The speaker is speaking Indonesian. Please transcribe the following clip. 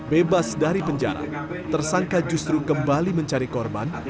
bebas dari penjara tersangka justru kembali mencari korban